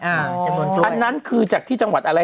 อันนั้นคือจากที่จังหวัดอะไร